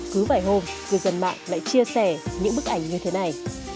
cứ vài hôm cư dân mạng lại chia sẻ những bức ảnh như thế này